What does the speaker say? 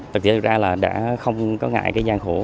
thực tế ra là đã không có ngại cái gian khổ